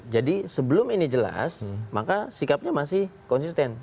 jadi sebelum ini jelas maka sikapnya masih konsisten